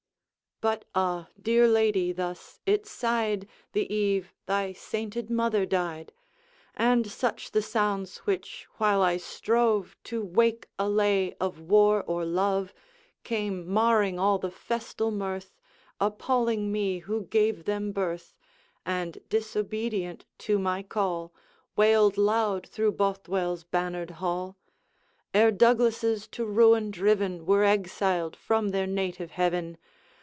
'But ah! dear lady, thus it sighed, The eve thy sainted mother died; And such the sounds which, while I strove To wake a lay of war or love, Came marring all the festal mirth, Appalling me who gave them birth, And, disobedient to my call, Wailed loud through Bothwell's bannered hall. Ere Douglases, to ruin driven, Were exiled from their native heaven.